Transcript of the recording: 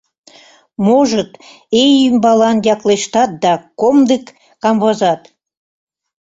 Можыт, ий ӱмбалан яклештат да комдык камвозат.